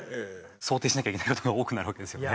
想定しなきゃいけない事が多くなるわけですよね。